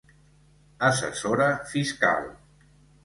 Assessora Fiscal.